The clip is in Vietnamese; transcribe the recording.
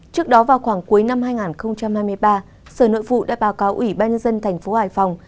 trước đó vào khoảng cuối năm hai nghìn hai mươi ba sở nội vụ đã báo cáo ủy ban dân thành phố hải phòng